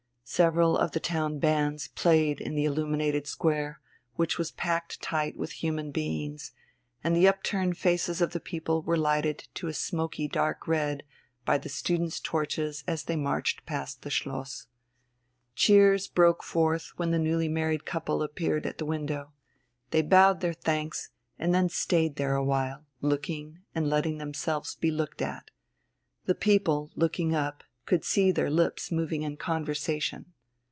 Several of the town bands played in the illuminated square, which was packed tight with human beings, and the upturned faces of the people were lighted to a smoky dark red by the students' torches as they marched past the Schloss. Cheers broke forth when the newly married couple appeared at the window. They bowed their thanks, and then stayed there awhile, looking and letting themselves be looked at. The people, looking up, could see their lips moving in conversation.